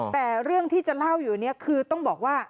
แต่เรื่องที่จะเล่าอยู่เนี่ยคือต้องบอกว่า